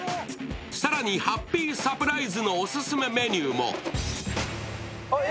さらにハッピーサプライズのオススメメニューも。